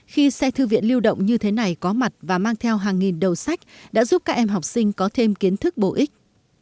khi xe thư viện lưu động như thế này có mặt và mang theo hàng nghìn đầu sách đã giúp các em học sinh có thêm kiến thức bổ ích